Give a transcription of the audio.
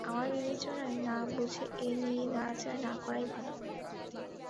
আমার বিবেচনায় না বুঝে এ নিয়ে নাড়াচাড়া না করাই ভালো।